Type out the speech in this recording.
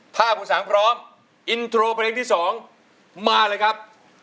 ถ้าคุณสางพร้อมอินโทรเพลงที่๒มาเลยครับ